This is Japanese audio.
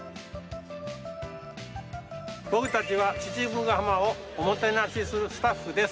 僕たちは父母ヶ浜をおもてなしするスタッフです。